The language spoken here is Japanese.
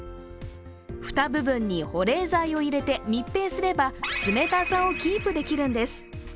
蓋部分に保冷剤を入れて密閉すれば、冷たさをキープできるんです。